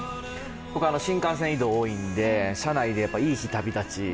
僕、新幹線移動多いんで、車内で「いい日旅立ち」